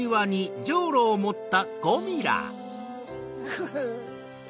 フフフ。